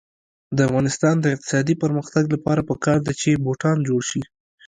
د افغانستان د اقتصادي پرمختګ لپاره پکار ده چې بوټان جوړ شي.